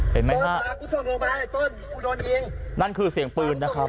เห็นไหมฮะกูโดนยิงนั่นคือเสียงปืนนะครับ